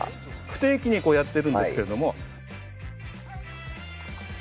不定期にやってるんですけども。